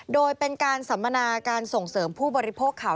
โดยเป็นการสัมมนาการส่งเสริมผู้บริโภคข่าว